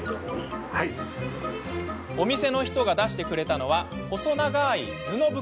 お店の人が出してくれたのは細長い布袋。